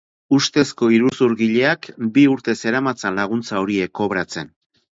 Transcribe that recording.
Ustezko iruzurgileak bi urte zeramatzan laguntza horiek kobratzen.